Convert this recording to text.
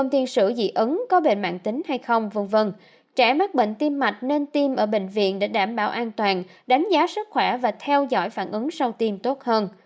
trẻ mắc bệnh tiêm mạch nên tiêm ở bệnh viện để đảm bảo an toàn đánh giá sức khỏe và theo dõi phản ứng sau tiêm tốt hơn